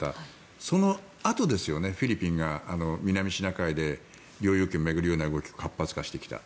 そのあとですよねフィリピンが南シナ海で領有権を巡る問題が活発化してきた。